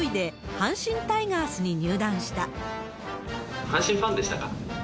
阪神ファンでしたか？